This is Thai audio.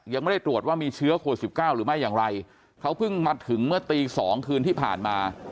ยังไม่ได้ตรวจว่ามีเชื้อโควิดสิบเก้าหรือไม่อย่างไรเขาเพิ่งมาถึงเมื่อตีสองคืนที่ผ่านมา